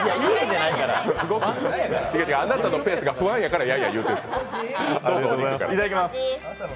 違う、あなたのペースが不安やから、やんや言うてる。